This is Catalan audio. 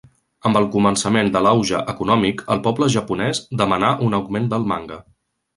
Amb el començament de l'auge econòmic, el poble japonès demanà un augment del manga.